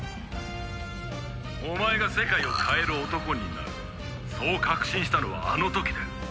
お前が世界を変える男になるそう確信したのはあの時だ。